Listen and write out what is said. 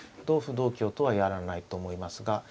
同歩同香とはやらないと思いますが。